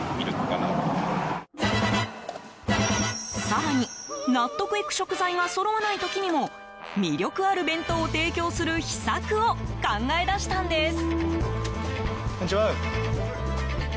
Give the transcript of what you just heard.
更に、納得いく食材がそろわない時にも魅力ある弁当を提供する秘策を考え出したんです。